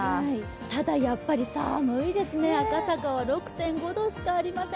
ただやっぱり寒いですね、赤坂は６．５度しかありません。